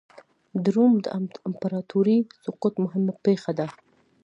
د روم د امپراتورۍ سقوط مهمه پېښه ده.